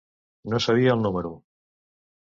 No sabia el número.